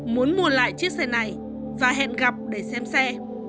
muốn mua lại chiếc xe này và hẹn gặp để xem xe